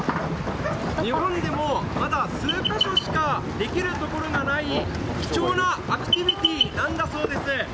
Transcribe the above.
日本でもまだ数か所しかできるところがない貴重なアクティビティーなんだそうです。